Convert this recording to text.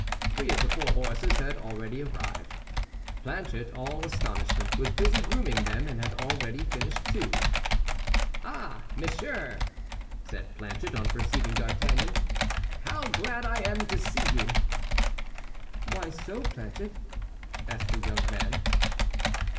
Three of the four horses had already arrived. Planchet, all astonishment, was busy grooming them, and had already finished two. "Ah, monsieur," said Planchet, on perceiving D'Artagnan, "how glad I am to see you." "Why so, Planchet?" asked the young man.